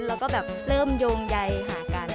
แล้วก็แบบเริ่มโยงใยหากัน